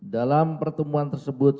dalam pertemuan tersebut